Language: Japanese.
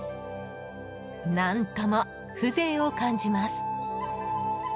何とも風情を感じます。